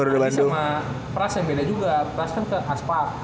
prasatawa sama prasatawa yang beda juga prasatawa kan ke aspart